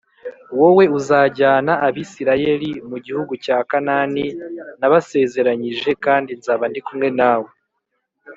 Wowe uzajyana Abisirayeli mu gihugu cya Kanani nabasezeranyije kandi nzaba ndi kumwe nawe